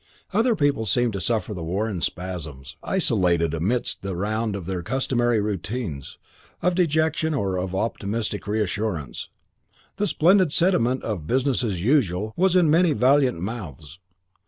Other people seemed to suffer the war in spasms, isolated amidst the round of their customary routines, of dejection or of optimistic reassurance. The splendid sentiment of "Business as usual" was in many valiant mouths.